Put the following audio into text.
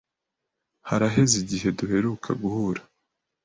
Haraheze igihe duheruka guhura.